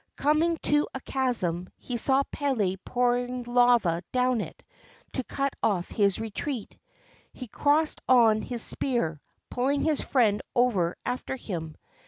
Coming to a chasm, he saw Pele pouring lava down it to cut off his retreat. He crossed on his spear, pulling his friend over after him.